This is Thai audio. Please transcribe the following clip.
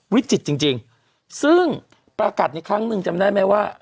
วิจิตรจริงซึ่งประกาศในครั้งหนึ่งจำได้ไหมว่า